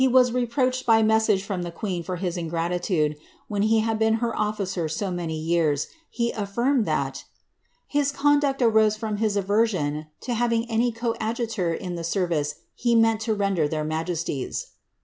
was reproached by message from the queen for his ingmtitude, when he had been her officer so many years, he affirmed that, ^ his conduct arose from his aversion to havinfl^ any coadjutor in the service he meant to render their majesties.